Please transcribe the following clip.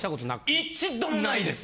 一度もないです。